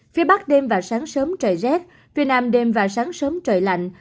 phía bắc đêm và sáng sớm trời rét tuy nam đêm và sáng sớm trời lạnh